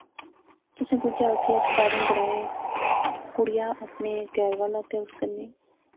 تسیں بجیا ہوسی اج پارے گراں ہیک کڑیا اپنا کہھر والا تے اس کنے